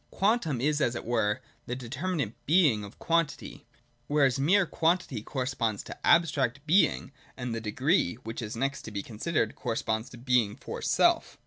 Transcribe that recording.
Quantum is, as it were, the determinate Being of quantity : whereas mere quantity corresponds to abstract Being, and the Degree, which is next to be considered, corresponds to Being for self.